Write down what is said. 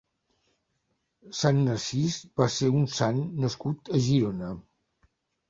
Sant Narcís va ser un sant nascut a Girona.